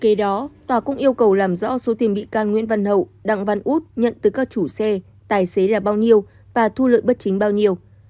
khi đó tòa cũng yêu cầu làm rõ số tiền bị can nguyễn văn hậu đặng văn út nhận từ các chủ xe tài xế là bao nhiêu và thu lợi bất chính bao nhiêu